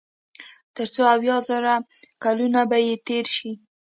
تر څو اويا زره کلونه به ئې تېر شي